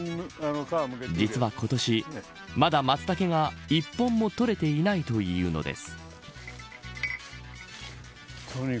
実は今年、まだマツタケが１本も採れていないというのです